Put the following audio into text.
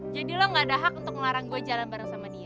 jadi lo nggak ada hak untuk ngelarang gue jalan bareng sama dia